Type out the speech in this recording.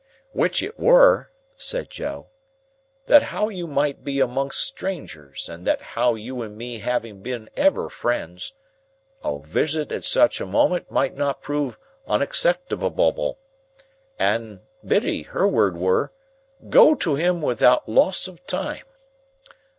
"Which it were," said Joe, "that how you might be amongst strangers, and that how you and me having been ever friends, a wisit at such a moment might not prove unacceptabobble. And Biddy, her word were, 'Go to him, without loss of time.